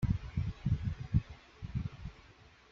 Teḥbes ur theddeṛ ara.